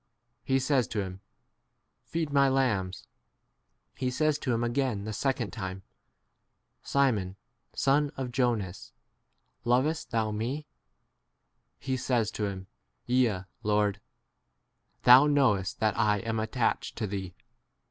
He says to him, Feed my 16 lambs. He says to him again the second time, Simon, son of Jonas, 7 lovest thou me P He says to him, Yea, Lord ; thou ' knowest that I am attached to thee.